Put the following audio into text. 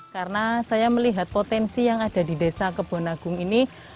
karena saya melihat potensi yang ada di desa kebun agung ini